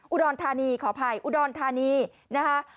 อุดอนธานีขอไปอุดอนธานีนะคะ